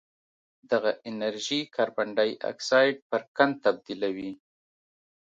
دغه انرژي کاربن ډای اکسایډ پر قند تبدیلوي